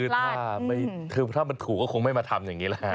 ถ้าถูกก็คงไม่มาทำอย่างนี้แหละ